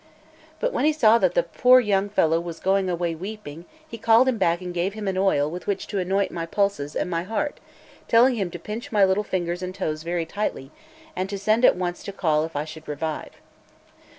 But when he saw that the poor young fellow was going away weeping, he called him back and gave him an oil with which to anoint my pulses, and my heart, telling him to pinch my little fingers and toes very tightly, and to send at once to call him if I should revive.